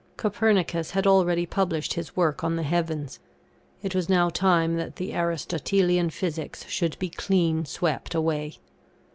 Copernicus had already published his work on the Heavens. It was now time that the Aristotelian Physics should be clean swept away.